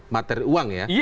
materi uang ya